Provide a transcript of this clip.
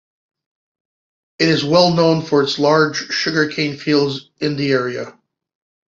It is well known for its large sugar cane fields in the area.